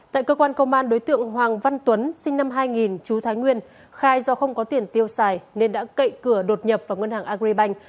tại cơ quan công an đối tượng hoàng văn tuấn sinh năm hai nghìn chú thái nguyên khai do không có tiền tiêu xài nên đã cậy cửa đột nhập vào ngân hàng agribank